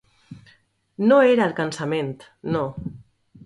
No era el cansament, no.